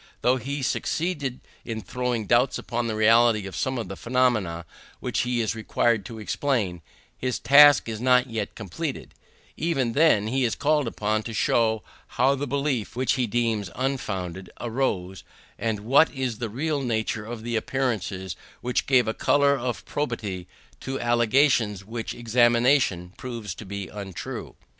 Though he succeed in throwing doubts upon the reality of some of the phenomena which he is required to explain, his task is not yet completed; even then he is called upon to show how the belief, which he deems unfounded, arose; and what is the real nature of the appearances which gave a colour of probability to allegations which examination proves to be untrue.